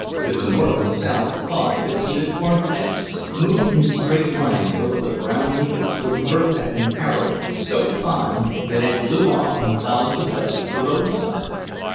To the north and south Claude could see the corn planters, moving in straight lines over the brown acres where the earth had been harrowed so fine that it blew off in clouds of dust to the roadside.